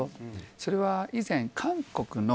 それは以前、韓国の。